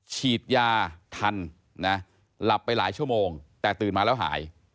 ฉีดยาทันนะหลับไปหลายชั่วโมงแต่ตื่นมาแล้วหาย